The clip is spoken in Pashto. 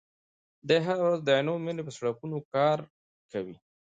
دی هره ورځ د عینومېنې په سړکونو کار کوي.